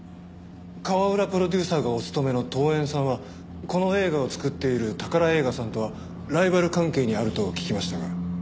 川浦プロデューサーがお勤めの東演さんはこの映画を作っている宝映画さんとはライバル関係にあると聞きましたが。